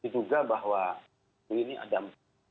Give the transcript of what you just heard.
diduga bahwa ini ada empat